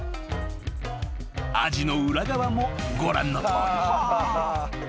［アジの裏側もご覧のとおり］